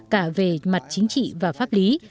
cả về mặt chính trị và pháp lý